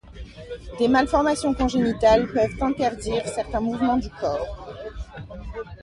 Des malformations congénitales peuvent interdire certains mouvements du corps.